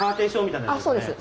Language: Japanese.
そうです！